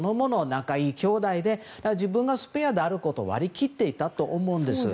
仲がいい兄弟で自分がスペアであることを割り切っていたと思うんです。